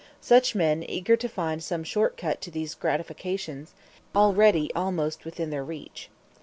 Such men eager to find some short cut to these gratifications, already almost within their reach.